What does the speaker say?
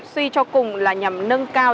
suy cho cùng là nhằm nâng cao